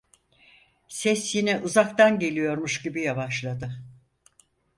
Ses yine uzaktan geliyormuş gibi yavaşladı: